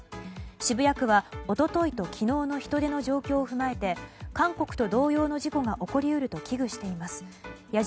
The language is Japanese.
渋谷区は一昨日と昨日の人出の状況を踏まえて韓国と同様の事故が起こり得ると危惧しています。